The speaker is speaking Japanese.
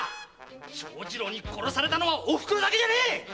長次郎に殺されたのは御袋だけじゃねえ！